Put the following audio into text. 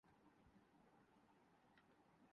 تو اس سے خاصی بہتری آ سکتی ہے۔